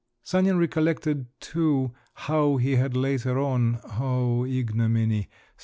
Sanin recollected too how he had later on—oh, ignominy!